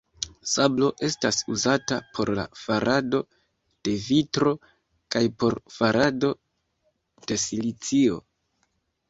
Sablo estas uzata por la farado de vitro kaj por farado de silicio.